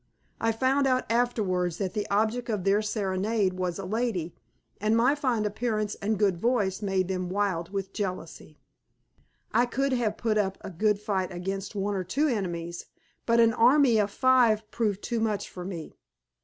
I found out afterwards that the object of their serenade was a lady, and my fine appearance and good voice made them wild with jealousy. I could have put up a good fight against one or two enemies, but an army of five proved too much for me.